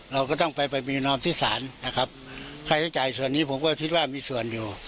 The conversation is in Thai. เราก็ต้องไปไปมีนอมที่ศาลนะครับค่าใช้จ่ายส่วนนี้ผมก็คิดว่ามีส่วนอยู่